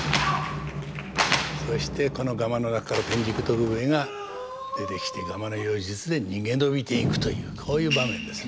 そしてこのガマの中から天竺徳兵衛が出てきてガマの妖術で逃げ延びていくというこういう場面ですね。